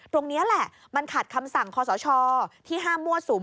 ตรงนี้แหละมันขัดคำสั่งคอสชที่ห้ามมั่วสุม